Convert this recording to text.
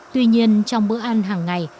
tuy nhiên trong bữa ăn hàng ngày